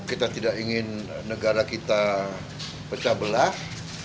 kita tidak ingin negara kita pecah belah